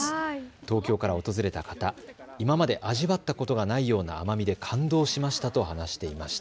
東京から訪れた方、今まで味わったことがないような甘みで感動しましたと話していました。